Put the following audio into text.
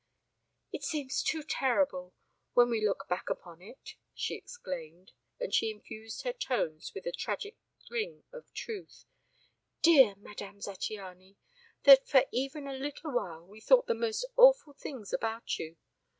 "It seems too terrible when we look back upon it!" she exclaimed, and she infused her tones with the tragic ring of truth, "dear Madame Zattiany, that for even a little while we thought the most awful things about you.